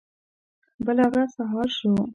بله ورځ سهار شو.